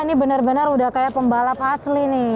ini benar benar udah kayak pembalap asli nih